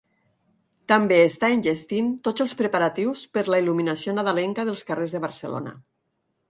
També està enllestint tots els preparatius per la il·luminació nadalenca dels carrers de Barcelona.